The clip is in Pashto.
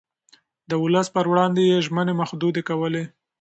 د ولس پر وړاندې يې ژمنې محدودې کولې.